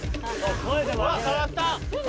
触った。